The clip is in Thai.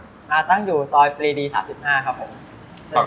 ตั้งอยู่ซอยปรีดี้สต๓๕พค